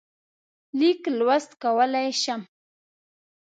لیک لوست کولای شم.